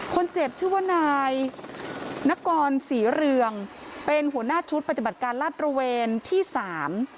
คนเจ็บชื่อว่านายนกรศรีเรืองเป็นหัวหน้าชุดปฏิบัติการลาดระเวนที่สาม